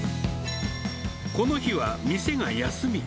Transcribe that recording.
この日は店が休み。